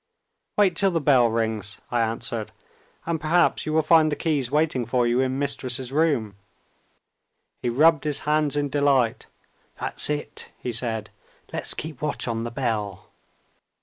"Wait till the bells rings," I answered "and perhaps you will find the Keys waiting for you in Mistress' room." He rubbed his hands in delight. "That's it!" he said. "Let's keep watch on the bell."